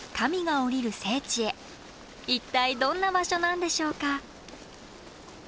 一体どんな場所なんでしょうか。